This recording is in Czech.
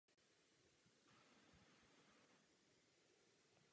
Nenastal již čas přijmout nový, důraznější předpis?